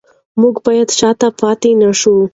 موږ باید شاته پاتې نشو.